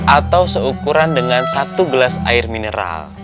atau seukuran dengan satu gelas air mineral